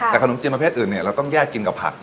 แต่ขนมจีนประเภทอื่นเนี่ยเราต้องแยกกินกับผัก